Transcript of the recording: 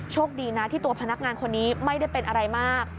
โชคดีนะที่ตัวพนักงานคนนี้ไม่ได้เป็นอะไรมาก